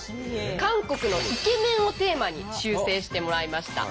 「韓国のイケメン」をテーマに修正してもらいました。